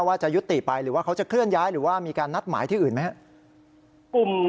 ว่าจะยุติไปหรือว่าเขาจะเคลื่อนย้ายหรือว่ามีการนัดหมายที่อื่นไหมครับ